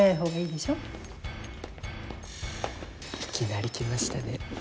いきなり来ましたね。